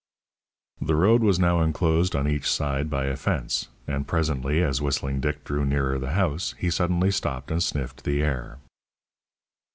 The road was now enclosed on each side by a fence, and presently, as Whistling Dick drew nearer the house, he suddenly stopped and sniffed the air.